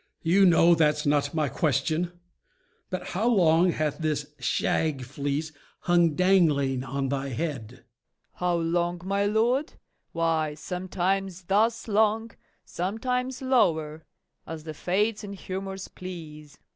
MORE. You know that's not my question, but how long Hath this shag fleece hung dangling on they head? FAULKNER. How long, my lord? why, sometimes thus long, sometimes lower, as the Fates and humors please. MORE.